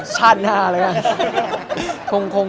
ชาติหน้าแล้วกัน